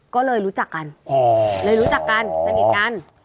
ก็เลยรู้จักกันเลยรู้จักกันสนิทกัน